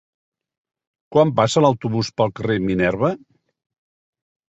Quan passa l'autobús pel carrer Minerva?